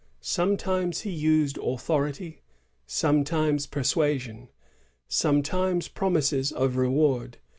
Sometimes he used authority, sometimes persuasion, sometimes promises of reward.